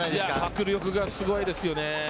迫力がすごいですよね。